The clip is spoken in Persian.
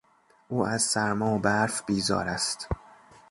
او از سرما و برف بیزار است.